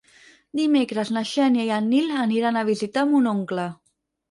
Dimecres na Xènia i en Nil aniran a visitar mon oncle.